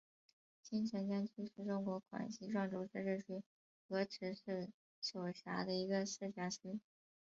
金城江区是中国广西壮族自治区河池市所辖的一个市辖区。